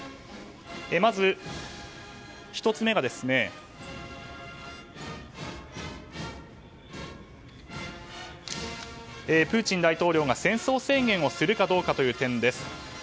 まず１つ目、プーチン大統領が戦争宣言をするかどうかという点。